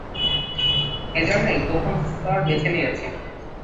এজন্যই, গোপন স্তর বেছে নিয়েছি।